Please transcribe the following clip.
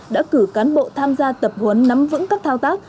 đã cử cán bộ tham gia tập huấn nắm vững các thao tác